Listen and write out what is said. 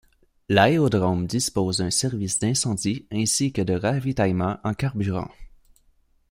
L'aérodrome dispose d'un service d'incendie ainsi que de ravitaillement en carburant.